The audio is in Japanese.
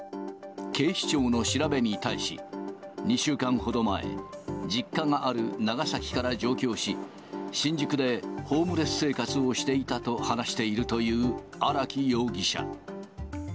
警視庁の調べに対し、２週間ほど前、実家がある長崎から上京し、新宿でホームレス生活をしていたと話しているという荒木容疑者。